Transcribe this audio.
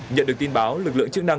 nhận được tin báo lực lượng chức năng